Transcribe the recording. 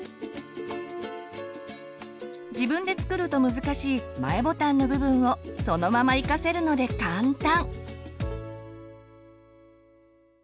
自分で作ると難しい前ボタンの部分をそのまま生かせるので簡単！